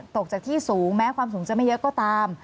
ตกจากที่สูงแม้ความสูงจะไม่เยอะก็ตาม